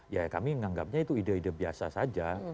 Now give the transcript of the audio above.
ya kami menganggapnya itu ide ide biasa saja